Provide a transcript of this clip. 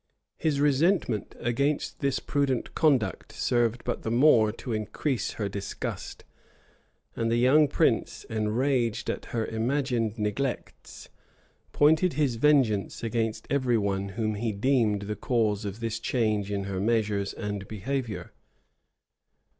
His resentment against this prudent conduct served but the more to increase her disgust: and the young prince, enraged at her imagined neglects, pointed his vengeance against every one whom he deemed the cause of this change in her measures and behavior.